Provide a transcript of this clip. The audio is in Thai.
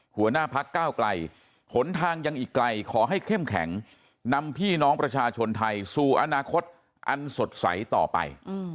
หัวหน้าพักก้าวไกลหนทางยังอีกไกลขอให้เข้มแข็งนำพี่น้องประชาชนไทยสู่อนาคตอันสดใสต่อไป